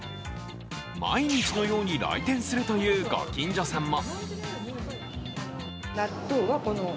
毎日のように来店するというご近所さんも。